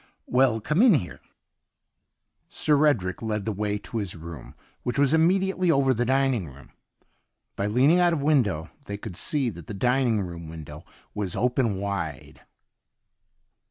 •^ Well, come in here.' Sir Edric led the way to his room, which was immediately over the dining room. By leaning out of window they could see that the dining rooin window was open wide.